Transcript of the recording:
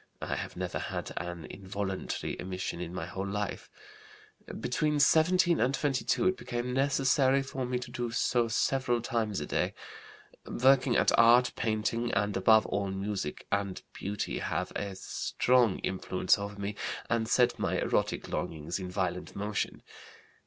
(I have never had an involuntary emission in my whole life.) Between 17 and 22 it became necessary for me to do so several times a day. Working at art, painting, and above all music and beauty have a strong influence over me and set my erotic longings in violent motion.